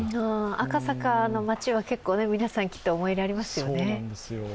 赤坂の街は結構皆さん、きっと思い入れありますよね。